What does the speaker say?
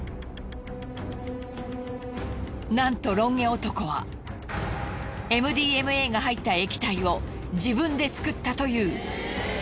なんとロン毛男はＭＤＭＡが入った液体を自分で作ったという。